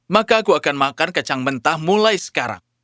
maka aku akan makan kacang mentah mulai sekarang